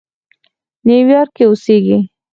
نیویارک کې اوسېږي.